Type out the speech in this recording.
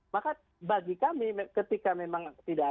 maka bagi kami ketika memang tidak ada